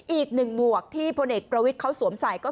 อีกหนึ่งหมวกที่พลเอกประวิทย์เขาสวมใส่ก็คือ